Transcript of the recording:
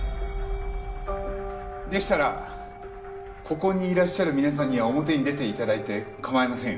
でしたらここにいらっしゃる皆さんには表に出て頂いて構いませんよね？